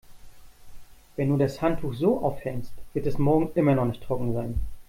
Wenn du das Handtuch so aufhängst, wird es morgen immer noch nicht trocken sein.